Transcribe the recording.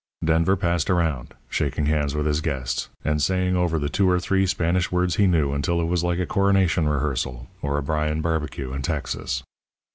"Denver passed around, shaking hands with his guests, and saying over the two or three Spanish words he knew until it was like a coronation rehearsal or a Bryan barbecue in Texas.